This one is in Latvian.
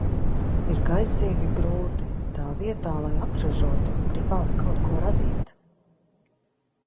Ir gaisīgi grūti. Tā vietā lai atražotu, gribās kaut ko radīt.